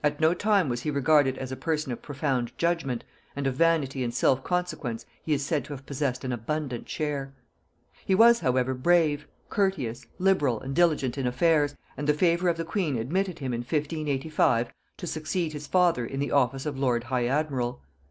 At no time was he regarded as a person of profound judgement, and of vanity and self consequence he is said to have possessed an abundant share. He was however brave, courteous, liberal, and diligent in affairs; and the favor of the queen admitted him in 1585 to succeed his father in the office of lord high admiral.